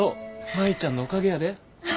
舞ちゃんのおかげやで。